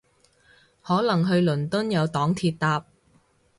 可能去倫敦有黨鐵搭